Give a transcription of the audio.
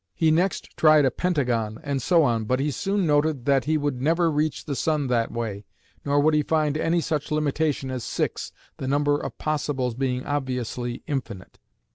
He next tried a pentagon and so on, but he soon noted that he would never reach the sun that way, nor would he find any such limitation as six, the number of "possibles" being obviously infinite.